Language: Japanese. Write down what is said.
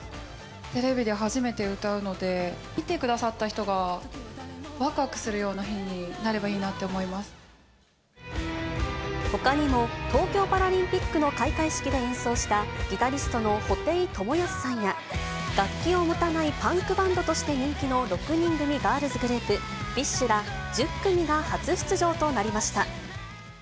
テレビで初めて歌うので、見てくださった人がわくわくするような日になればいいなと思いまほかにも、東京パラリンピックの開会式で演奏したギタリストの布袋寅泰さんや、楽器を持たないパンクバンドとして人気の６人組ガールズグループ、ビッシュら、１０組が初出場となりました。